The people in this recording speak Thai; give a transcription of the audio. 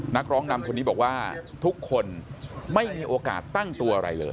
นักร้องนำคนนี้บอกว่าทุกคนไม่มีโอกาสตั้งตัวอะไรเลย